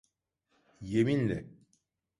Yeminle…